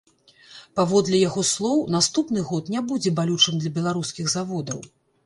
Паводле яго слоў, наступны год не будзе балючым для беларускіх заводаў.